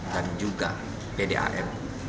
dan juga pdam